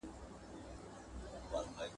• ترکاڼي د بيزو کار نه دئ.